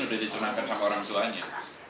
udah dicenangkan sama orang tuanya